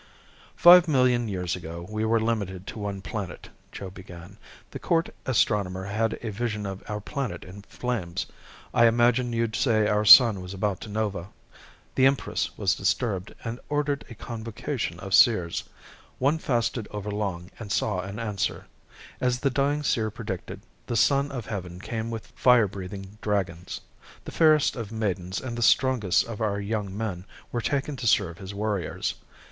"Five million years ago we were limited to one planet," Joe began. "The court astronomer had a vision of our planet in flames. I imagine you'd say our sun was about to nova. The empress was disturbed and ordered a convocation of seers. One fasted overlong and saw an answer. As the dying seer predicted the Son of Heaven came with fire breathing dragons. The fairest of maidens and the strongest of our young men were taken to serve his warriors.